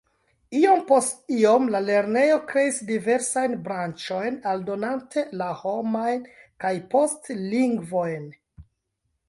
Iom post iom la lernejo kreis diversajn branĉojn aldonante la homajn kaj poste lingvojn.